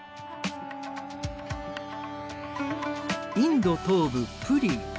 インド東部プリー。